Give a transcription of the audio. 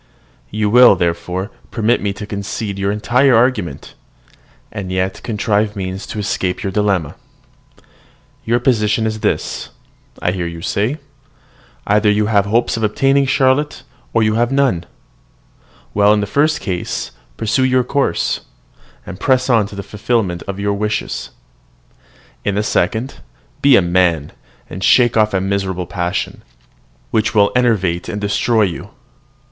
You will, therefore, permit me to concede your entire argument, and yet contrive means to escape your dilemma. Your position is this, I hear you say: "Either you have hopes of obtaining Charlotte, or you have none. Well, in the first case, pursue your course, and press on to the fulfilment of your wishes. In the second, be a man, and shake off a miserable passion, which will enervate and destroy you."